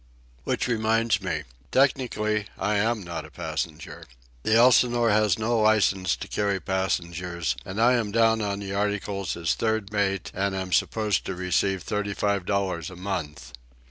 Which reminds me. Technically I am not a passenger. The Elsinore has no licence to carry passengers, and I am down on the articles as third mate and am supposed to receive thirty five dollars a month.